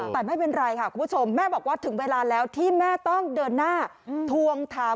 แต่ไม่เป็นไรค่ะคุณผู้ชมแม่บอกว่าถึงเวลาแล้วที่แม่ต้องเดินหน้าทวงถาม